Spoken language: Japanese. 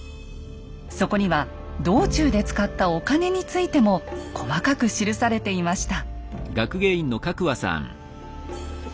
そこには道中で使ったお金についても細かく記されていました。